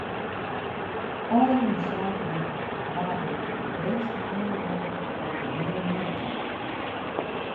Ofrûne saterdei waard er de bêste Nederlanner op de heale maraton.